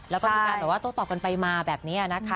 แล้วก็มีการแบบว่าโต้ตอบกันไปมาแบบนี้นะคะ